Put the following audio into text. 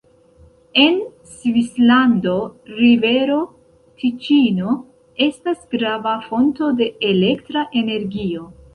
En Svislando rivero Tiĉino estas grava fonto de elektra energio.